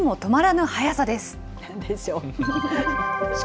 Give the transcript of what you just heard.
なんでしょう。